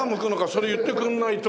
それ言ってくれないと。